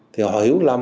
thì họ hiểu lầm